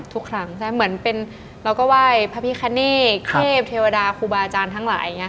ทุกครั้งเหมือนเป็นเราก็ไหว้พระพิคเนตเทพเทวดาครูบาอาจารย์ทั้งหลายอย่างนี้